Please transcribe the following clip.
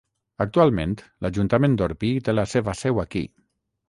Actualment, l'Ajuntament d'Orpí té la seva seu aquí.